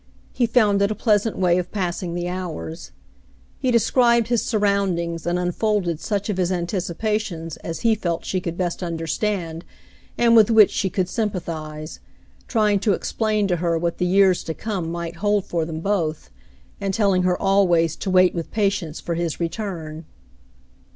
He found it a pleasant way of passing the hours. He described his surroundings and unfolded such of his anticipations as he felt she could best understand and with which she could sympathize, trying to explain to her what the years to come might hold for them both, and telling her always to wait with pa tience for his return.